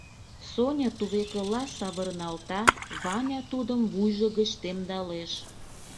Соня тувекыла савырналта, Ваня тудым вуйжо гыч темдалеш.